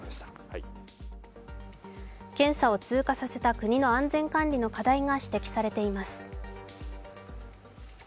検査を通過させた国の安全管理の課題が指摘されています。